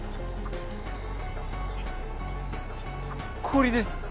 氷です。